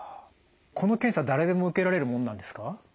この検査誰でも受けられるもんなんですか？